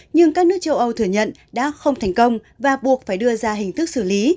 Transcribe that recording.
nhưng các nước châu âu thừa nhận đã không thành công và buộc phải đưa ra hình thức xử lý